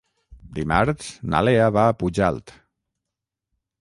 Dimarts na Lea va a Pujalt.